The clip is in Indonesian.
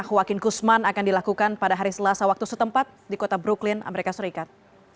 joaquin guzman akan dilakukan pada hari selasa waktu setempat di kota brooklyn amerika serikat